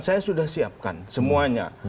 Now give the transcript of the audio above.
saya sudah siapkan semuanya